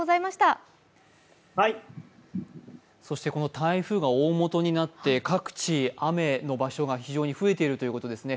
台風が大もとになって各地、雨の場所が増えているということですね